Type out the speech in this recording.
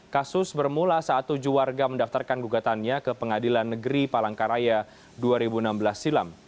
kasus bermula saat tujuh warga mendaftarkan gugatannya ke pengadilan negeri palangkaraya dua ribu enam belas silam